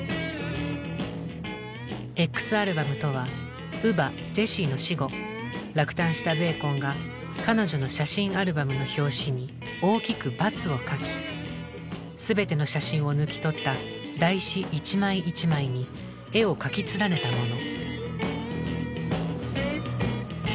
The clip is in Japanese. Ｘアルバムとは乳母ジェシーの死後落胆したベーコンが彼女の写真アルバムの表紙に大きくバツを書き全ての写真を抜き取った台紙一枚一枚に絵を描き連ねたもの。